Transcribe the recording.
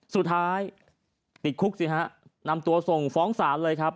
สุดท้ายติดคุกสิฮะนำตัวส่งฟ้องศาลเลยครับ